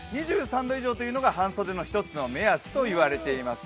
２３度以上というのが半袖の１つの目安と言われています。